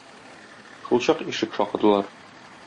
Шулчак ишек шакыдылар.